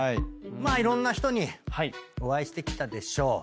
まあいろんな人にお会いしてきたでしょう。